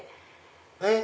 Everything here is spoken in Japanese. えっ！